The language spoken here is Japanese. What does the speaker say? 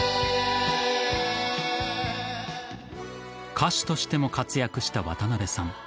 歌手としても活躍した渡辺さん。